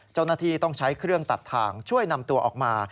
เจ้าหน้าที่ต้องใช้เครื่องตัดทางช่วยนำตัวออกมา